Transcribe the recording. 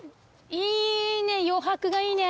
いいね